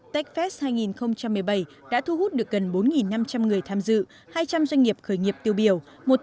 techfest hai nghìn một mươi bảy đã thu hút được gần bốn năm trăm linh người tham dự hai trăm linh doanh nghiệp khởi nghiệp tiêu biểu